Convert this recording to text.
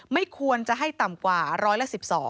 ไม่ควรจะให้ต่ำกว่าร้อยละ๑๒